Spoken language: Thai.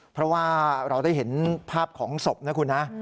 เพราะว่าเราได้เห็นภาพของศพนะคุณนะ